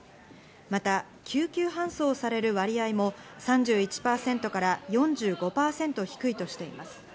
また救急搬送される割合も３１％から４５％低いとしています。